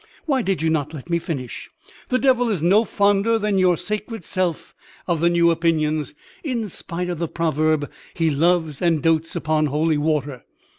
Why did you not let me finish? The Devil is no fonder than your sacred self of the new opinions; in spite of the proverb, he loves and dotes upon holy water.